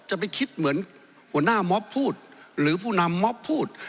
จะไปคิดเหมือนหัวหน้าม็อบพูดหรือผู้นำมอบพูด